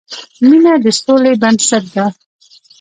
مینه د سولې بنسټ ده.